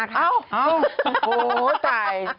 โอ้โฮใจนะ